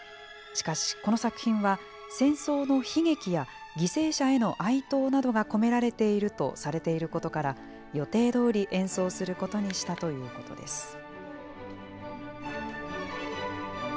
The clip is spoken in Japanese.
しかしこの作品は、戦争の悲劇や犠牲者への哀悼などが込められているとされていることから、予定どおり演奏することにしたということです。